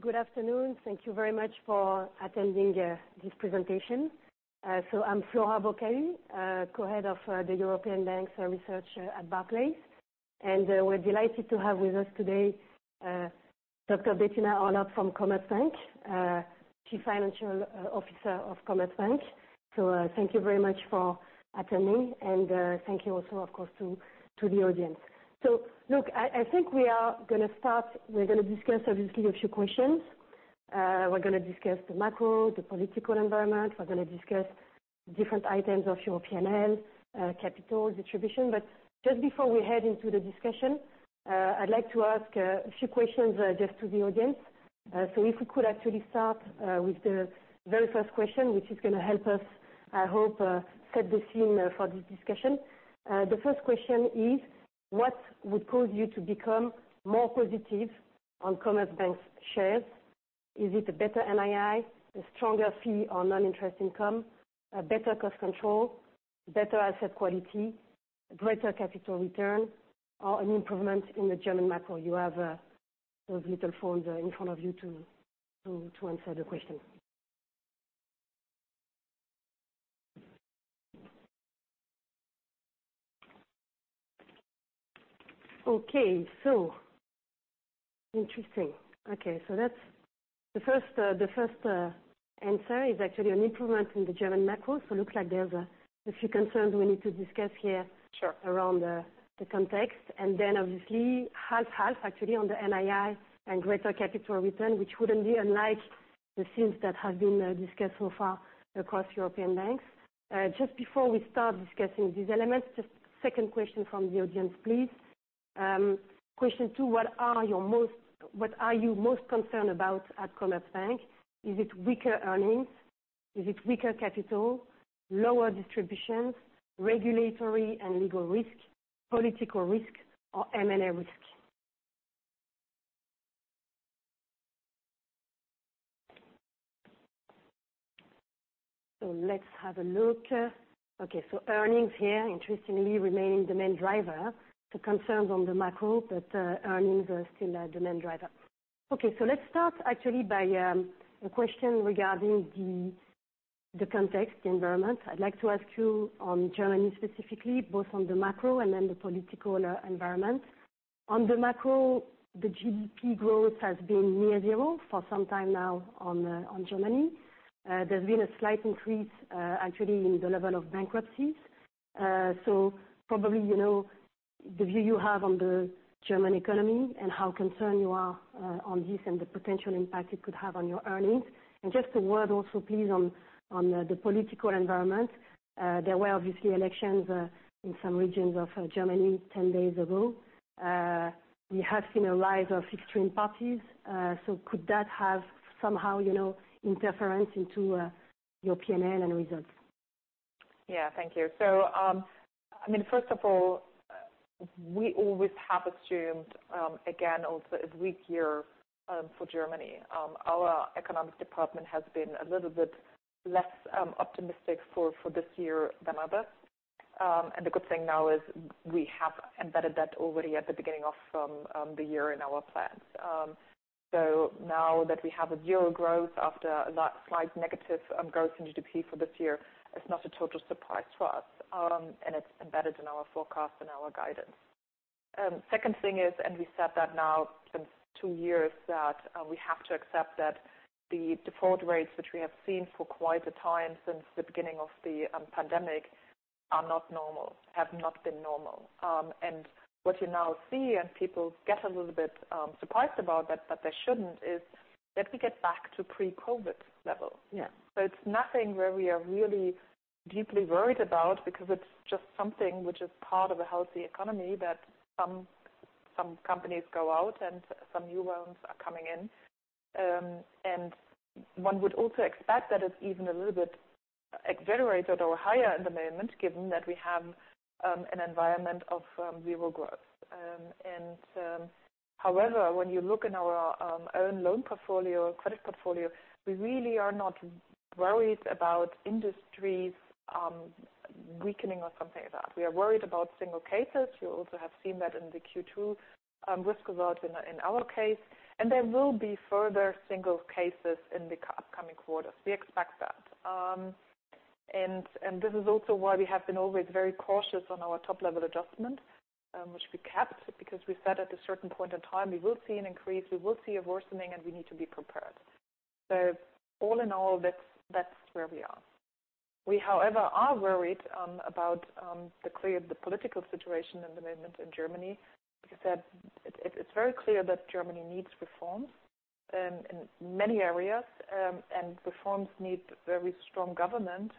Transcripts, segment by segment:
Hello, good afternoon. Thank you very much for attending this presentation, so I'm Flora Bocahut, co-head of the European Banks Research at Barclays, and we're delighted to have with us today Dr. Bettina Orlopp from Commerzbank, Chief Financial Officer of Commerzbank, so thank you very much for attending, and thank you also, of course, to the audience, so look, I think we are gonna start. We're gonna discuss, obviously, a few questions. We're gonna discuss the macro, the political environment. We're gonna discuss different items of your P&L, capital distribution, but just before we head into the discussion, I'd like to ask a few questions just to the audience. So if we could actually start with the very first question, which is gonna help us, I hope, set the scene for this discussion. The first question is: What would cause you to become more positive on Commerzbank's shares? Is it a better NII, a stronger fee or non-interest income, a better cost control, better asset quality, greater capital return, or an improvement in the German macro? You have those little phones in front of you to answer the question. Okay, so interesting. Okay, so that's the first answer is actually an improvement in the German macro. So looks like there's a few concerns we need to discuss here. Sure. Around the context, and then, obviously, half actually on the NII and greater capital return, which wouldn't be unlike the themes that have been discussed so far across European banks. Just before we start discussing these elements, just second question from the audience, please. Question two: What are your most -- what are you most concerned about at Commerzbank? Is it weaker earnings? Is it weaker capital, lower distributions, regulatory and legal risk, political risk, or M&A risk? So let's have a look. Okay, so earnings here, interestingly, remain the main driver. The concerns on the macro, but earnings are still a demand driver. Okay, so let's start actually by a question regarding the context, the environment. I'd like to ask you on Germany specifically, both on the macro and then the political environment. On the macro, the GDP growth has been near zero for some time now on Germany. There's been a slight increase, actually, in the level of bankruptcies. So probably, you know, the view you have on the German economy and how concerned you are on this and the potential impact it could have on your earnings. And just a word also, please, on the political environment. There were obviously elections in some regions of Germany 10 days ago. We have seen a rise of extreme parties. So could that have somehow, you know, interference into your P&L and results? Yeah, thank you. So, I mean, first of all, we always have assumed, again, also a weak year, for Germany. Our economics department has been a little bit less optimistic for this year than others. And the good thing now is we have embedded that already at the beginning of the year in our plans. So now that we have a zero growth after a slight negative growth in GDP for this year, it's not a total surprise to us, and it's embedded in our forecast and our guidance. Second thing is, and we said that now since two years, that we have to accept that the default rates, which we have seen for quite a time since the beginning of the pandemic, are not normal, have not been normal. And what you now see, and people get a little bit surprised about, but they shouldn't, is that we get back to pre-COVID level. Yeah. It's nothing where we are really deeply worried about because it's just something which is part of a healthy economy, that some companies go out and some new loans are coming in. One would also expect that it's even a little bit accelerated or higher in the moment, given that we have an environment of zero growth. However, when you look in our own loan portfolio, credit portfolio, we really are not worried about industries weakening or something like that. We are worried about single cases. You also have seen that in the Q2 risk result in our case, and there will be further single cases in the upcoming quarters. We expect that. This is also why we have been always very cautious on our top-level adjustment, which we kept, because we said at a certain point in time, we will see an increase, we will see a worsening, and we need to be prepared. All in all, that's where we are. We, however, are worried about the unclear political situation at the moment in Germany, because it's very clear that Germany needs reforms in many areas. Reforms need very strong government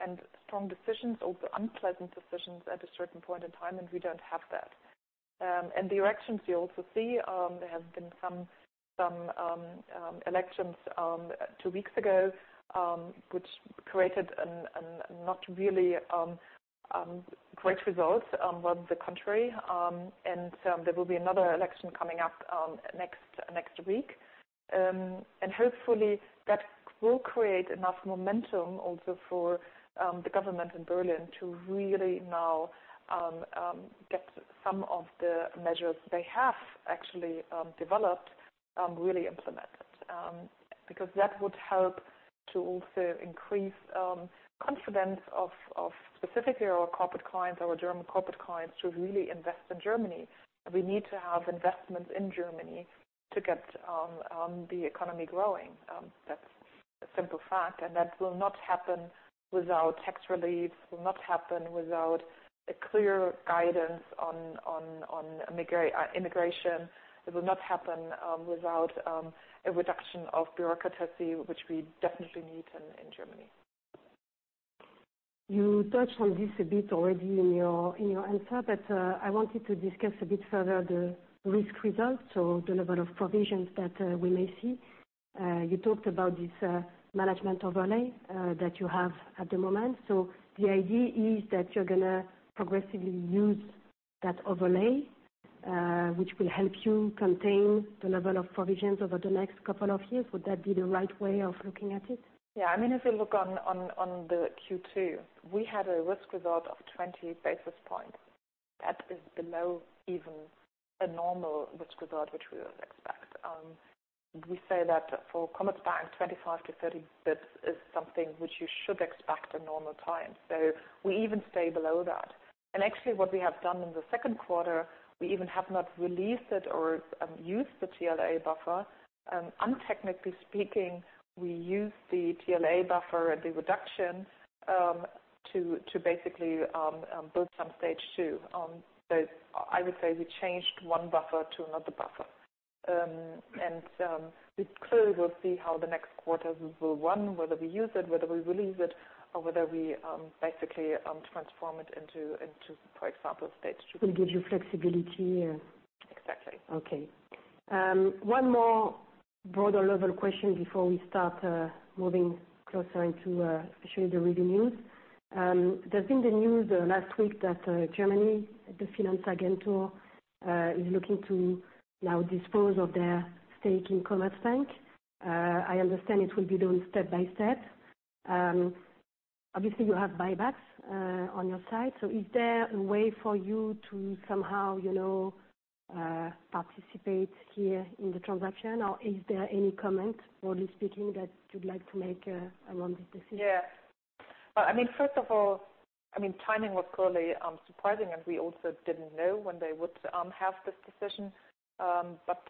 and strong decisions, also unpleasant decisions, at a certain point in time, and we don't have that. The elections you also see, there have been some elections two weeks ago, which created a not really great results for the country. And so there will be another election coming up next week. And hopefully that will create enough momentum also for the government in Berlin to really now get some of the measures they have actually developed really implemented. Because that would help to also increase confidence of specifically our corporate clients, our German corporate clients, to really invest in Germany. We need to have investment in Germany to get the economy growing. That's a simple fact, and that will not happen without tax relief, will not happen without a clear guidance on immigration. It will not happen without a reduction of bureaucracy, which we definitely need in Germany. You touched on this a bit already in your answer, but I wanted to discuss a bit further the risk results, so the level of provisions that we may see. You talked about this management overlay that you have at the moment. So the idea is that you're gonna progressively use that overlay, which will help you contain the level of provisions over the next couple of years. Would that be the right way of looking at it? Yeah. I mean, if you look on the Q2, we had a risk result of 20 basis points. That is below even a normal risk result, which we would expect. We say that for Commerzbank, 25 bps-30 bps is something which you should expect in normal times. So we even stay below that. And actually, what we have done in the second quarter, we even have not released it or used the TLA buffer. Technically speaking, we used the TLA buffer and the reduction to basically build some stage two. So I would say we changed one buffer to another buffer. And we clearly will see how the next quarters will run, whether we use it, whether we release it, or whether we basically transform it into, for example, stage two. Will give you flexibility, yeah. Exactly. Okay. One more broader level question before we start moving closer into especially the revenues. There's been the news last week that Germany, the Finanzagentur, is looking to now dispose of their stake in Commerzbank. I understand it will be done step by step. Obviously, you have buybacks on your side, so is there a way for you to somehow, you know, participate here in the transaction, or is there any comment, broadly speaking, that you'd like to make around this decision? Yeah. I mean, first of all, I mean, timing was clearly surprising, and we also didn't know when they would have this decision. But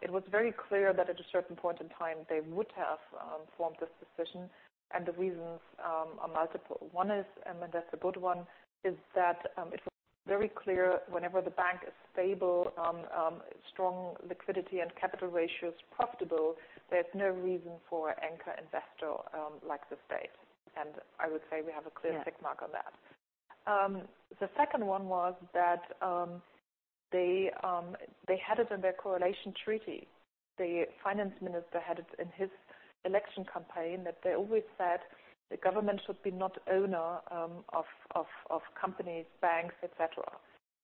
it was very clear that at a certain point in time, they would have formed this decision. The reasons are multiple. One is, and that's a good one, is that it was very clear whenever the bank is stable strong liquidity and capital ratios profitable, there's no reason for anchor investor like the state. I would say we have a clear tick mark on that. The second one was that they had it in their coalition treaty. The finance minister had it in his election campaign, that they always said the government should be not owner of companies, banks, et cetera.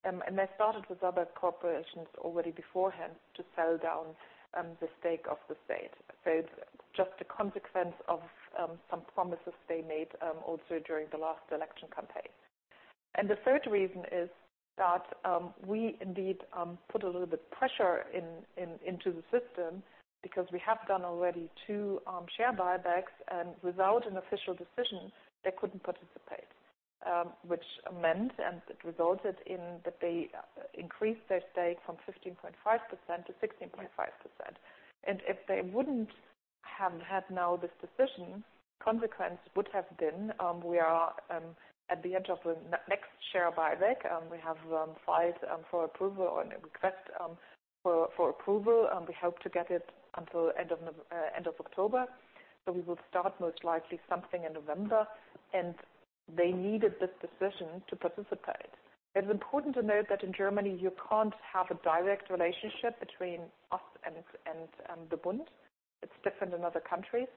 And they started with other corporations already beforehand to sell down the stake of the state. So it's just a consequence of some promises they made also during the last election campaign. And the third reason is that we indeed put a little bit pressure into the system because we have done already two share buybacks, and without an official decision, they couldn't participate, which meant and it resulted in that they increased their stake from 15.5% to 16.5%. And if they wouldn't have had now this decision, consequence would have been, we are at the edge of the next share buyback. We have filed for approval and request for approval, and we hope to get it until end of October. So we will start most likely something in November, and they needed this decision to participate. It's important to note that in Germany, you can't have a direct relationship between us and the Bund. It's different in other countries.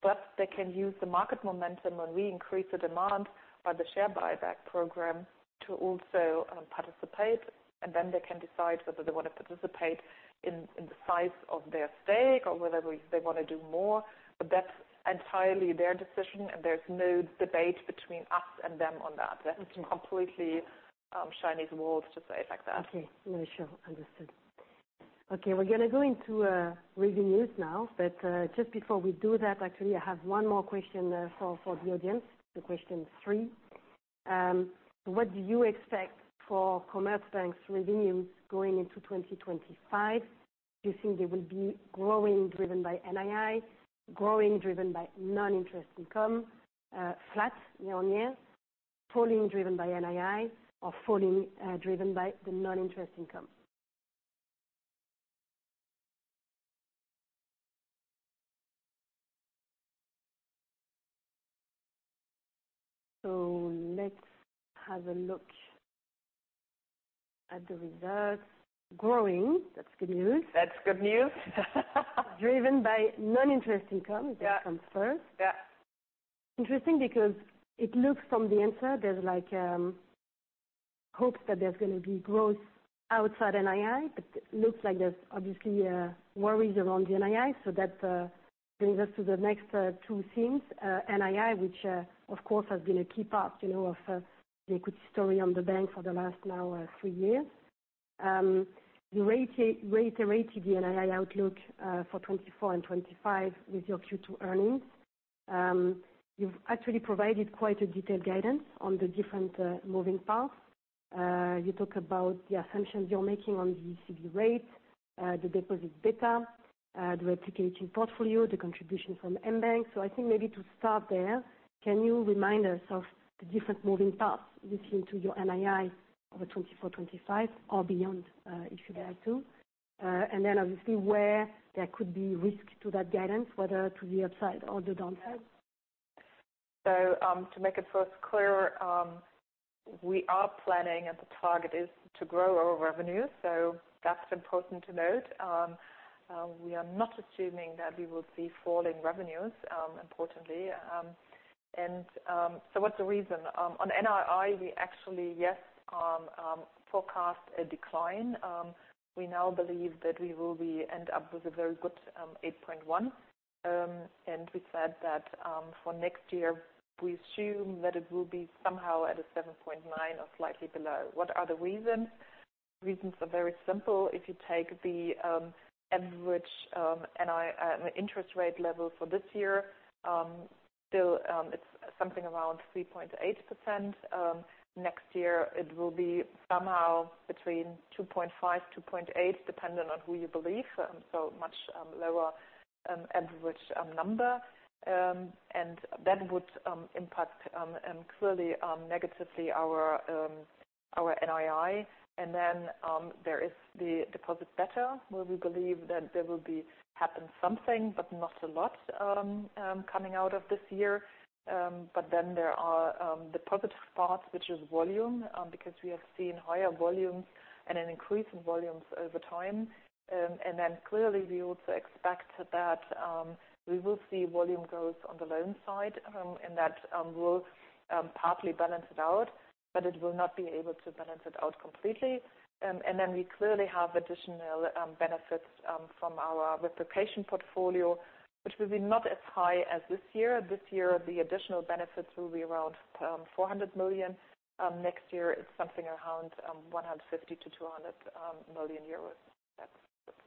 But they can use the market momentum when we increase the demand by the share buyback program to also participate, and then they can decide whether they want to participate in the size of their stake or whether they wanna do more. But that's entirely their decision, and there's no debate between us and them on that. That is completely, Chinese walls, to say it like that. Okay. Yeah, sure. Understood. Okay, we're gonna go into revenues now, but just before we do that, actually, I have one more question for the audience. The question three: What do you expect for Commerzbank's revenues going into 2025? Do you think they will be growing, driven by NII, growing, driven by non-interest income, flat year-on-year, falling, driven by NII, or falling, driven by the non-interest income? So let's have a look at the results. Growing, that's good news. That's good news. Driven by non-interest income. Yeah. -comes first. Yeah. Interesting, because it looks from the answer, there's like hopes that there's gonna be growth outside NII, but looks like there's obviously worries around the NII. So that brings us to the next two themes. NII, which of course has been a key part, you know, of the equity story on the bank for the last now three years. You reiterated the NII outlook for 2024 and 2025 with your Q2 earnings. You've actually provided quite a detailed guidance on the different moving parts. You talk about the assumptions you're making on the ECB rate, the deposit beta, the replicating portfolio, the contribution from mBank. So I think maybe to start there, can you remind us of the different moving parts listening to your NII over 2024, 2025 or beyond, if you'd like to? And then obviously where there could be risk to that guidance, whether to the upside or the downside. To make it first clear, we are planning and the target is to grow our revenue, so that's important to note. We are not assuming that we will see falling revenues, importantly. What's the reason? On NII, we actually, yes, forecast a decline. We now believe that we will end up with a very good 8.1. And we said that, for next year, we assume that it will be somehow at a 7.9 or slightly below. What are the reasons? Reasons are very simple. If you take the average interest rate level for this year, still, it's something around 3.8%. Next year it will be somehow between 2.5% and 2.8%, depending on who you believe, so much lower average number. And that would impact and clearly negatively our NII. And then there is the deposit beta, where we believe that there will be happen something, but not a lot coming out of this year. But then there are the positive parts, which is volume, because we have seen higher volumes and an increase in volumes over time. And then clearly we also expect that we will see volume growth on the loan side, and that will partly balance it out, but it will not be able to balance it out completely. And then we clearly have additional benefits from our replication portfolio, which will be not as high as this year. This year, the additional benefits will be around 400 million. Next year, it's something around 150 million-200 million euros. That looks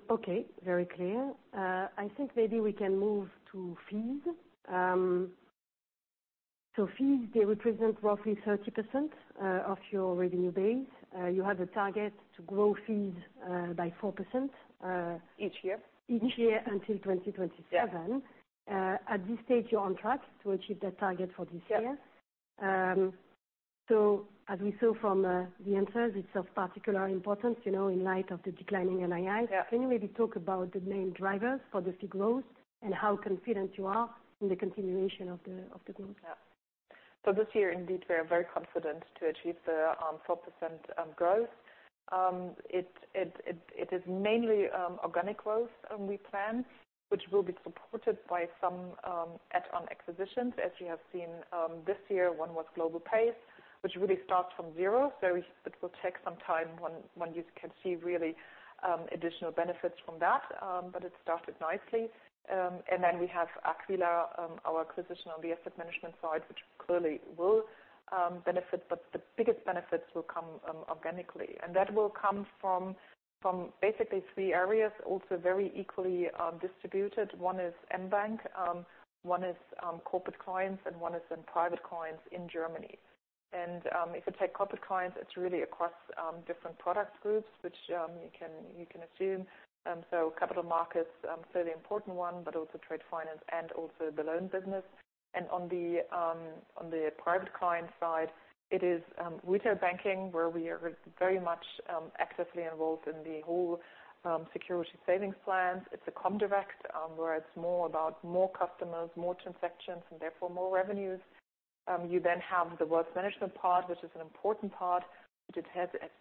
like. Okay, very clear. I think maybe we can move to fees. So fees, they represent roughly 30% of your revenue base. You have a target to grow fees by 4%. Each year. Each year until 2027. Yeah. At this stage, you're on track to achieve that target for this year? Yeah. So as we saw from the answers, it's of particular importance, you know, in light of the declining NII. Yeah. Can you maybe talk about the main drivers for the fee growth and how confident you are in the continuation of the, of the growth? Yeah. So this year, indeed, we are very confident to achieve the 4% growth. It is mainly organic growth we plan, which will be supported by some add-on acquisitions. As you have seen, this year, one was Globalpay, which really starts from zero, so it will take some time when you can see really additional benefits from that, but it started nicely. And then we have Aquila, our acquisition on the asset management side, which clearly will benefit. But the biggest benefits will come organically, and that will come from basically three areas, also very equally distributed. One is mBank, one is corporate clients, and one is in private clients in Germany. And if you take corporate clients, it's really across different product groups, which you can assume. So capital markets, fairly important one, but also trade finance and also the loan business. And on the private client side, it is retail banking, where we are very much actively involved in the whole securities savings plan. It's Comdirect, where it's more about more customers, more transactions, and therefore more revenues. You then have the wealth management part, which is an important part.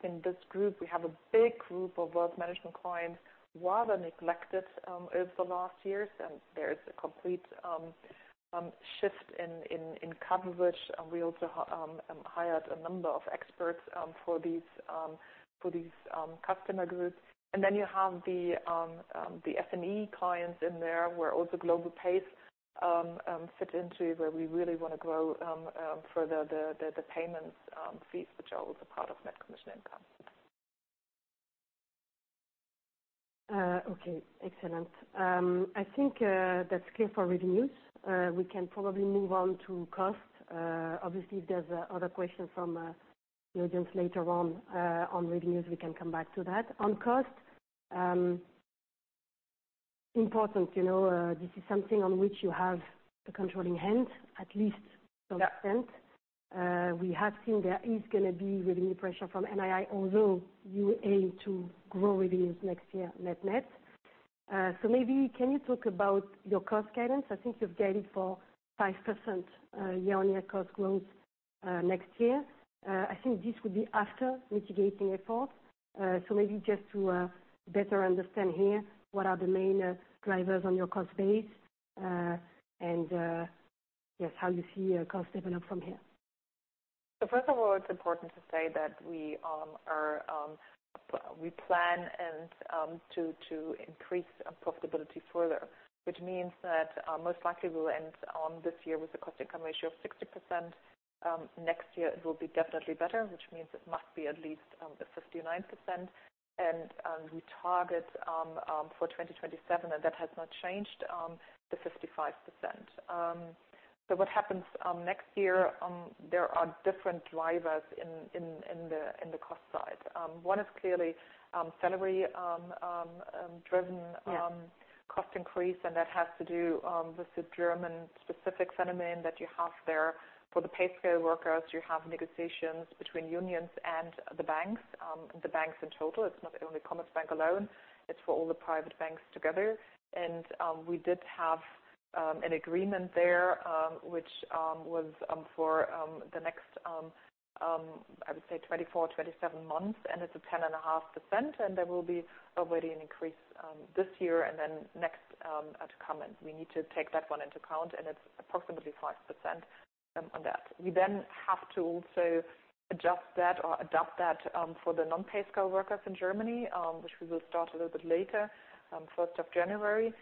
In this group, we have a big group of wealth management clients, rather neglected over the last years, and there's a complete shift in coverage. And we also hired a number of experts for these customer groups. You have the SME clients in there, where also Globalpay fits into, where we really wanna grow further the payments fees, which are also part of net commission income. Okay, excellent. I think that's clear for revenues. We can probably move on to costs. Obviously, if there's other questions from the audience later on, on revenues, we can come back to that. On cost, important, you know, this is something on which you have a controlling hand, at least to extent. Yeah. We have seen there is gonna be revenue pressure from NII, although you aim to grow revenues next year net-net. So maybe can you talk about your cost guidance? I think you've guided for 5%, year-on-year cost growth, next year. I think this would be after mitigating effort. So maybe just to better understand here, what are the main drivers on your cost base, and yes, how you see your costs develop from here? So first of all, it's important to say that we plan to increase profitability further, which means that most likely we will end on this year with a cost income ratio of 60%. Next year it will be definitely better, which means it must be at least 59%. And we target for 2027, and that has not changed to 55%. So what happens next year, there are different drivers in the cost side. One is clearly salary driven. Yeah Cost increase, and that has to do with the German specific sentiment that you have there. For the pay scale workers, you have negotiations between unions and the banks, the banks in total. It's not only Commerzbank alone, it's for all the private banks together. We did have an agreement there, which was for the next, I would say, 24 months-27 months, and it's 10.5%, and there will be already an increase this year and then next to come. We need to take that one into account, and it's approximately 5% on that. We then have to also adjust that or adopt that for the non-pay scale workers in Germany, which we will start a little bit later, 1st of January.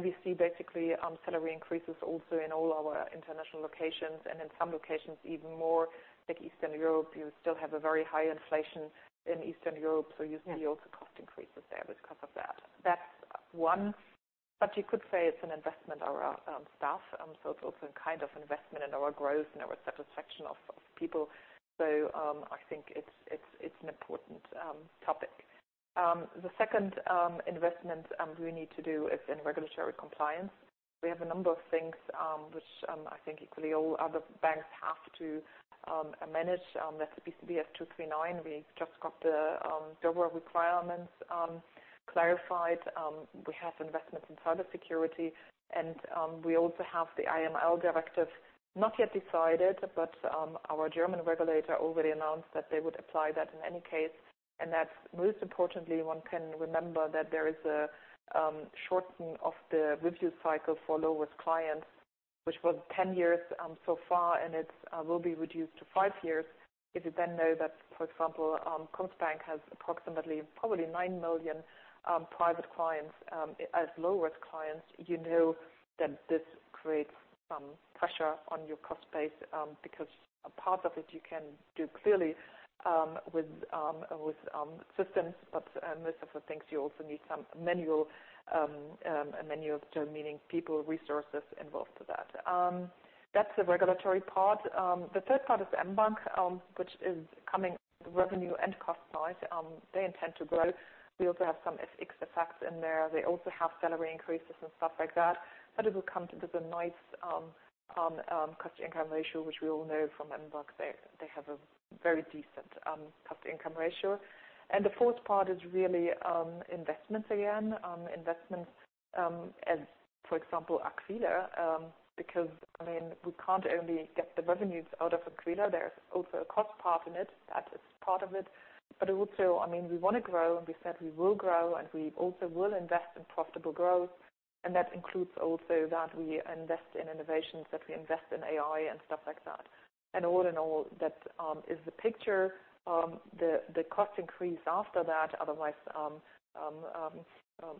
We see basically salary increases also in all our international locations, and in some locations, even more like Eastern Europe. You still have a very high inflation in Eastern Europe. Yeah So you see also cost increases there because of that. That's one, but you could say it's an investment on our staff, so it's also a kind of investment in our growth and our satisfaction of people. So, I think it's an important topic. The second investment we need to do is in regulatory compliance. We have a number of things which I think equally all other banks have to manage, that's the BCBS 239. We just got the global requirements clarified. We have investments in cyber security, and we also have the AML directive not yet decided, but our German regulator already announced that they would apply that in any case. And that's most importantly, one can remember that there is a shortening of the review cycle for low-risk clients, which was 10 years so far, and it will be reduced to 5 years. If you then know that, for example, Commerzbank has approximately probably 9 million private clients as low-risk clients, you know that this creates some pressure on your cost base, because a part of it you can do clearly with systems, but there are some things you also need some manual, meaning people, resources involved to that. That's the regulatory part. The third part is mBank, which is coming revenue and cost side. They intend to grow. We also have some FX effects in there. They also have salary increases and stuff like that, but it will come to the nice cost to income ratio, which we all know from mBank. They have a very decent cost to income ratio. And the fourth part is really investments, as for example, Aquila. Because, I mean, we can't only get the revenues out of Aquila, there's also a cost part in it. That is part of it. But also, I mean, we want to grow, and we said we will grow, and we also will invest in profitable growth. And that includes also that we invest in innovations, that we invest in AI and stuff like that. And all in all, that is the picture. The cost increase after that, otherwise,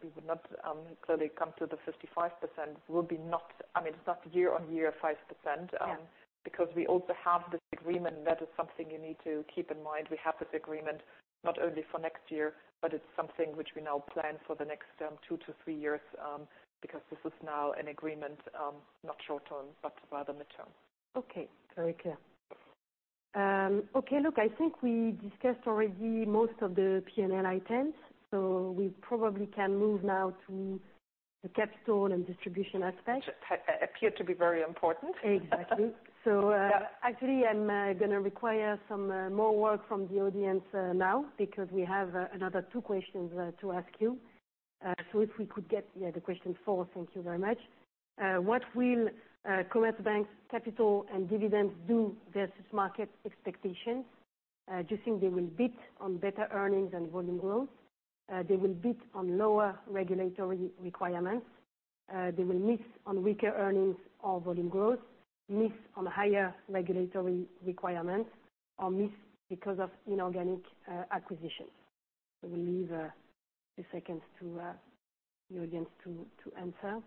we would not clearly come to the 55%, will be not- I mean, it's not year-on-year 5%. Yeah. Because we also have this agreement. That is something you need to keep in mind. We have this agreement not only for next year, but it's something which we now plan for the next, two to three years, because this is now an agreement, not short term, but rather midterm. Okay, very clear. Okay, look, I think we discussed already most of the P&L items, so we probably can move now to the capital and distribution aspect. Which appear to be very important. Exactly. So, Yeah. Actually, I'm gonna require some more work from the audience now, because we have another two questions to ask you. So if we could get, yeah, the question four. Thank you very much. What will Commerzbank capital and dividends do versus market expectations? Do you think they will beat on better earnings and volume growth, they will beat on lower regulatory requirements, they will miss on weaker earnings or volume growth, miss on higher regulatory requirements, or miss because of inorganic acquisition? So we leave a few seconds to the audience to answer.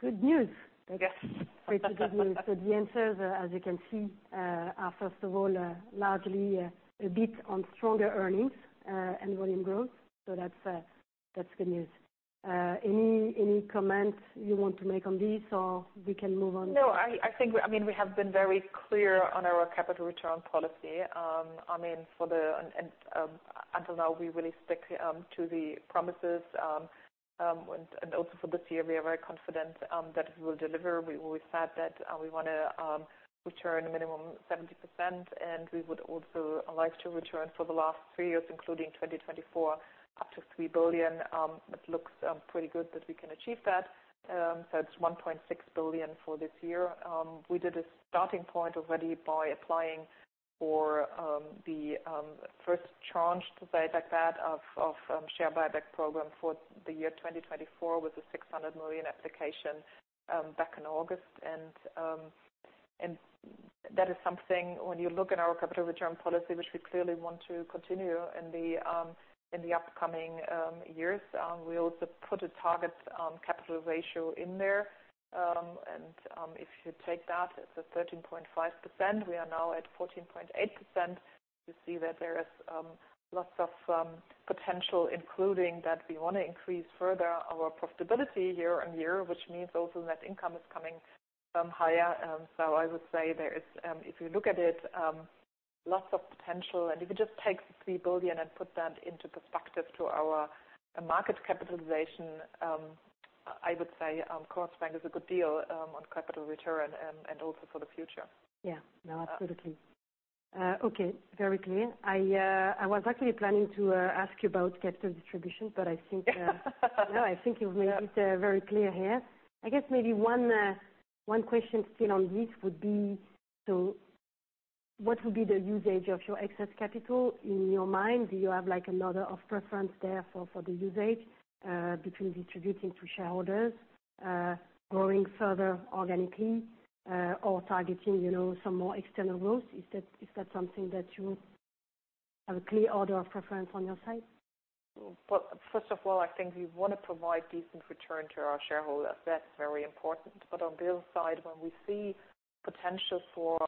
Good news! Okay. Pretty good news. So the answers, as you can see, are, first of all, largely, a beat on stronger earnings, and volume growth. So that's, that's good news. Any comments you want to make on this, or we can move on? No, I think, I mean, we have been very clear on our capital return policy. I mean, until now, we really stick to the promises. Also for this year, we are very confident that we will deliver. We always said that we want to return a minimum 70%, and we would also like to return for the last three years, including 2024, up to 3 billion. It looks pretty good that we can achieve that. So it's 1.6 billion for this year. We did a starting point already by applying for the first tranche, to say it like that, of share buyback program for the year 2024, with a 600 million application back in August. And that is something when you look at our capital return policy, which we clearly want to continue in the upcoming years. We also put a target capital ratio in there. And if you take that, it's at 13.5%, we are now at 14.8%. You see that there is lots of potential, including that we want to increase further our profitability year-on-year, which means also net income is coming higher. So I would say there is, if you look at it, lots of potential, and if you just take 3 billion and put that into perspective to our market capitalization, I would say, Commerzbank is a good deal on capital return and also for the future. Yeah. No, absolutely. Okay, very clear. I, I was actually planning to ask you about capital distribution, but I think, no, I think you've made it very clear here. I guess maybe one, one question still on this would be, so what would be the usage of your excess capital in your mind? Do you have, like, an order of preference there for, for the usage, between distributing to shareholders, growing further organically, or targeting, you know, some more external routes? Is that, is that something that you have a clear order of preference on your side? But first of all, I think we want to provide decent return to our shareholders. That's very important. But on the other side, when we see potential for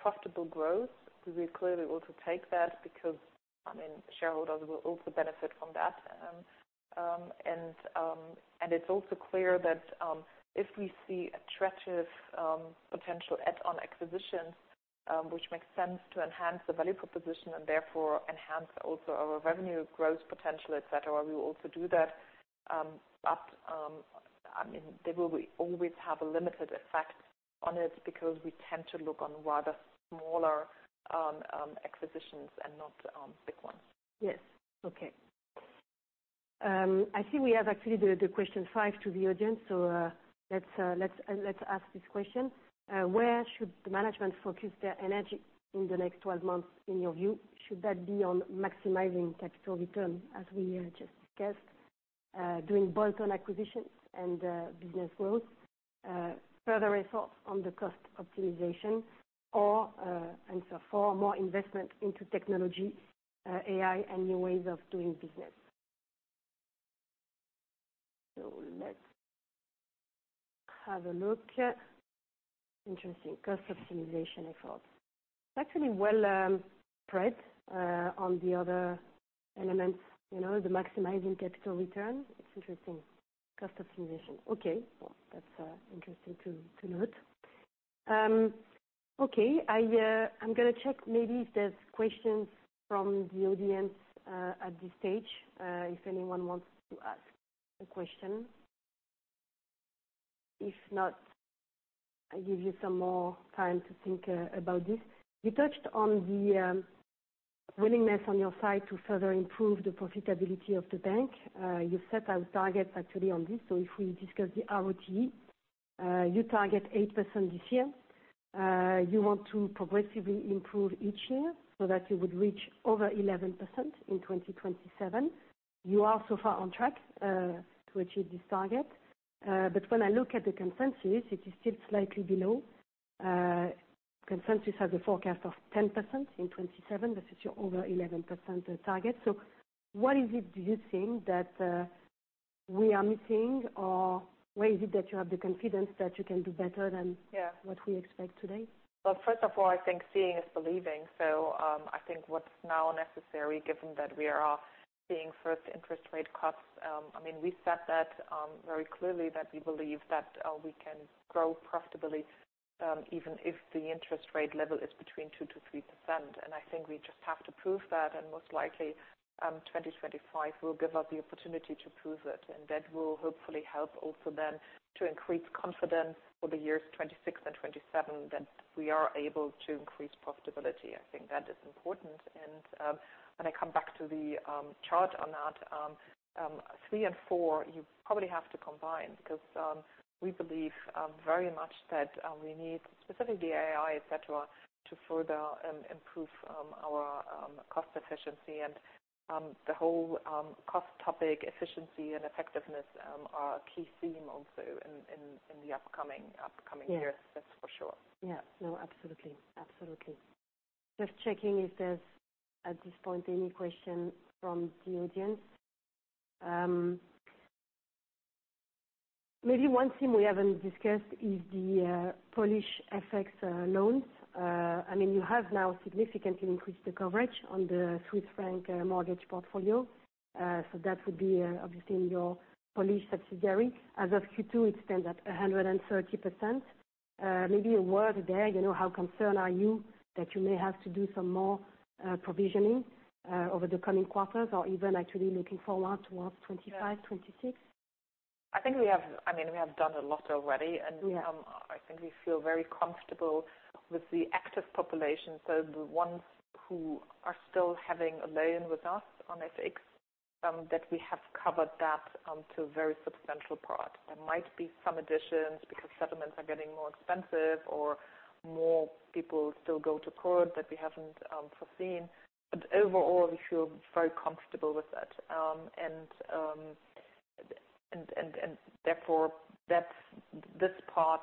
profitable growth, we clearly also take that because, I mean, shareholders will also benefit from that. And it's also clear that if we see attractive potential add-on acquisitions, which makes sense to enhance the value proposition and therefore enhance also our revenue growth potential, et cetera, we will also do that. But I mean, they will always have a limited effect on it because we tend to look on rather smaller acquisitions and not big ones. Yes. Okay. I think we have actually the question five to the audience, so let's ask this question. Where should the management focus their energy in the next 12 months, in your view? Should that be on maximizing capital return, as we just discussed, doing bolt-on acquisitions and business growth, further effort on the cost optimization, or answer four, more investment into technology, AI and new ways of doing business? So let's have a look. Interesting. Cost optimization effort. Actually well, spread on the other elements, you know, the maximizing capital return. It's interesting. Cost optimization. Okay, well, that's interesting to note. Okay, I'm gonna check maybe if there's questions from the audience, at this stage, if anyone wants to ask a question. If not, I give you some more time to think about this. You touched on the willingness on your side to further improve the profitability of the bank. You set out targets actually on this, so if we discuss the RoTE, you target 8% this year. You want to progressively improve each year so that you would reach over 11% in 2027. You are so far on track to achieve this target. But when I look at the consensus, it is still slightly below. Consensus has a forecast of 10% in 2027, versus your over 11% target. So what is it, do you think, that we are missing, or where is it that you have the confidence that you can do better than- Yeah What we expect today? First of all, I think seeing is believing. I think what's now necessary, given that we are seeing first interest rate cuts. I mean, we said that very clearly that we believe that we can grow profitability even if the interest rate level is between 2%-3%. I think we just have to prove that, and most likely 2025 will give us the opportunity to prove it, and that will hopefully help also then to increase confidence for the years 2026 and 2027 that we are able to increase profitability. I think that is important. When I come back to the chart on that, three and four, you probably have to combine, because we believe very much that we need specifically AI, et cetera, to further improve our cost efficiency and the whole cost topic, efficiency and effectiveness, are a key theme also in the upcoming years. Yeah. That's for sure. Yeah. No, absolutely. Absolutely. Just checking if there's, at this point, any question from the audience. Maybe one thing we haven't discussed is the Polish FX loans. I mean, you have now significantly increased the coverage on the Swiss franc mortgage portfolio. So that would be obviously in your Polish subsidiary. As of Q2, it stands at 130%. Maybe a word there, you know, how concerned are you that you may have to do some more provisioning over the coming quarters or even actually looking forward towards 2025, 2026? I think, I mean, we have done a lot already. Yeah. I think we feel very comfortable with the active population, so the ones who are still having a loan with us on FX, that we have covered that to a very substantial part. There might be some additions because settlements are getting more expensive or more people still go to court that we haven't foreseen, but overall, we feel very comfortable with that. Therefore, that's this part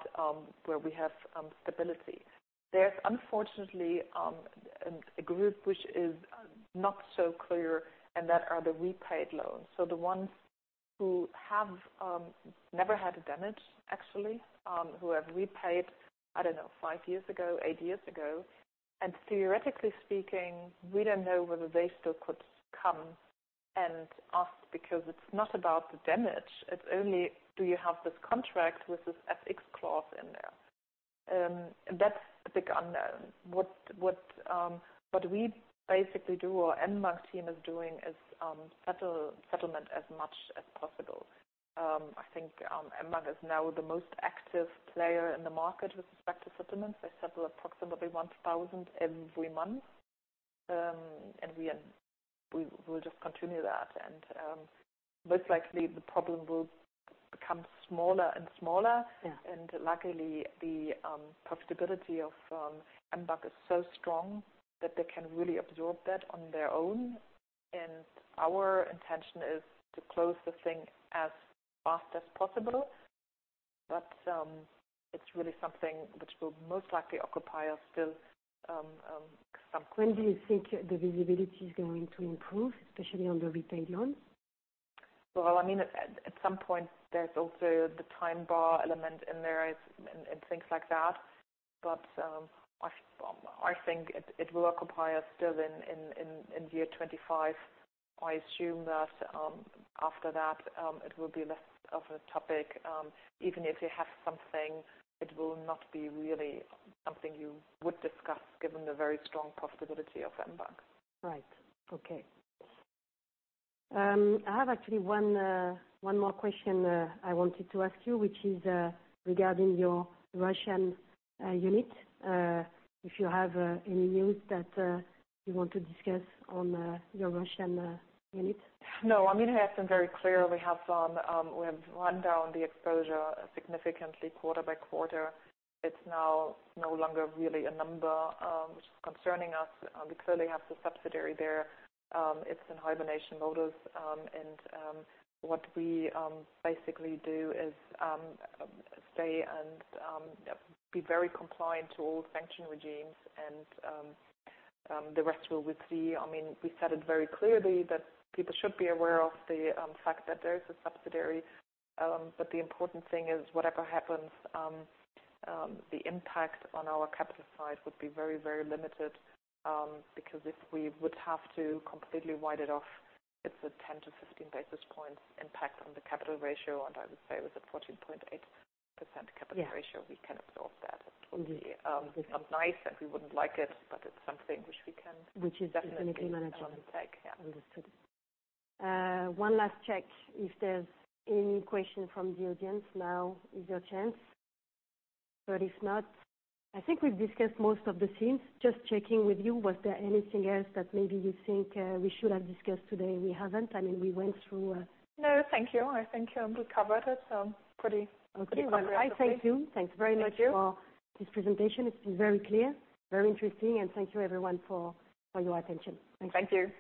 where we have stability. There's unfortunately a group which is not so clear, and that are the repaid loans. So the ones who have never had a damage actually, who have repaid. I don't know, five years ago, eight years ago. Theoretically speaking, we don't know whether they still could come and ask, because it's not about the damage. It's only do you have this contract with this FX clause in there? That's the big unknown. What we basically do, our mBank team is doing is, settlement as much as possible. I think, mBank is now the most active player in the market with respect to settlements. They settle approximately one thousand every month. And we will just continue that, and, most likely the problem will become smaller and smaller. Yeah. And luckily, the profitability of mBank is so strong that they can really absorb that on their own. And our intention is to close the thing as fast as possible, but it's really something which will most likely occupy us still some... When do you think the visibility is going to improve, especially on the retail loans? I mean, at some point there's also the time bar element in there and things like that. But, I think it will occupy us still in the year 2025. I assume that, after that, it will be less of a topic. Even if you have something, it will not be really something you would discuss, given the very strong possibility of mBank. Right. Okay. I have actually one more question I wanted to ask you, which is regarding your Russian unit. If you have any news that you want to discuss on your Russian unit? No, I mean, I have been very clear. We have run down the exposure significantly quarter-by-quarter. It's now no longer really a number which is concerning us. We clearly have the subsidiary there. It's in hibernation mode. And what we basically do is stay and be very compliant to all sanction regimes, and the rest we will see. I mean, we said it very clearly that people should be aware of the fact that there is a subsidiary. But the important thing is, whatever happens, the impact on our capital side would be very, very limited. Because if we would have to completely write it off, it's a 10 basis points-15 basis points impact on the capital ratio. And I would say with a 14.8% capital ratio- Yeah. We can absorb that. Mm-hmm. It's not nice, and we wouldn't like it, but it's something which we can... Which is definitely manageable. Yeah. Understood. One last check, if there's any question from the audience, now is your chance. But if not, I think we've discussed most of the things. Just checking with you, was there anything else that maybe you think we should have discussed today, we haven't? I mean, we went through, No, thank you. I think we covered it pretty... Okay. Pretty well. I thank you. Thanks very much... Thank you. For this presentation. It's been very clear, very interesting, and thank you, everyone, for your attention. Thank you.